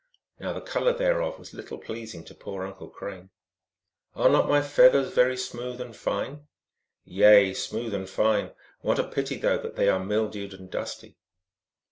Now the color thereof was little pleasing to poor Uncle Crane. " Are not my feathers very smooth and fine ?" 44 Yea, smooth and fine ; what a pity, though, that they are mildewed and dusty